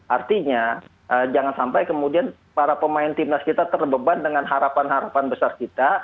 artinya jangan sampai kemudian para pemain timnas kita terbeban dengan harapan harapan besar kita